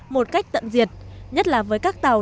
một cách tận diệt nhất là với các tàu